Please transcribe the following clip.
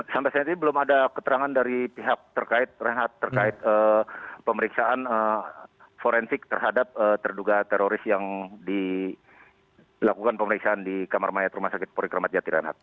sampai saat ini belum ada keterangan dari pihak terkait rehat terkait pemeriksaan forensik terhadap terduga teroris yang dilakukan pemeriksaan di kamar mayat rumah sakit polri kramat jati